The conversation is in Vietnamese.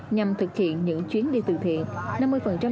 nhằm thực hiện những chuyến đi từ thiện